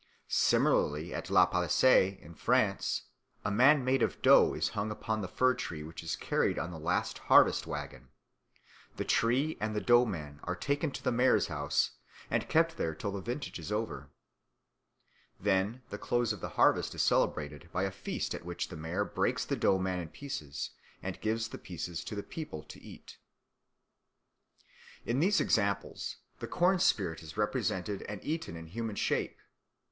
Similarly at La Palisse, in France, a man made of dough is hung upon the fir tree which is carried on the last harvest waggon. The tree and the dough man are taken to the mayor's house and kept there till the vintage is over. Then the close of the harvest is celebrated by a feast at which the mayor breaks the dough man in pieces and gives the pieces to the people to eat. In these examples the corn spirit is represented and eaten in human shape.